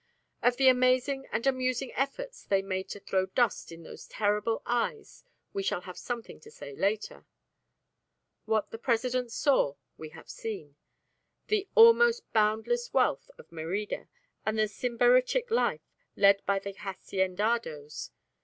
Of the amazing and amusing efforts they made to throw dust in those terrible eyes we shall have something to say later. What the President saw, we have seen the almost boundless wealth of Merida and the sybaritic life led by the haciendados.